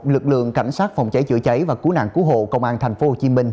lực lượng cảnh sát phòng cháy chữa cháy và cứu nạn cứu hộ công an tp hcm